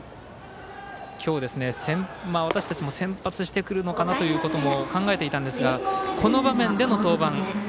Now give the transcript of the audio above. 今日、私たちも先発してくるのかなということも考えていたんですがこの場面での登板。